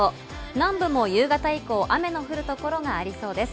南部も夕方以降雨の降る所がありそうです。